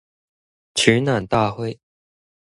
取暖大會